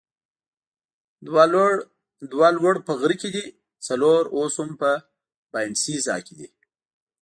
دوه لوړ په غره کې دي، څلور اوس هم په باینسیزا کې دي.